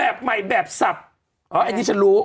แบบใหม่แบบสับอ๋ออันนี้ฉันรู้